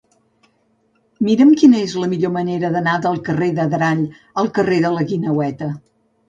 Mira'm quina és la millor manera d'anar del carrer d'Adrall al carrer de la Guineueta.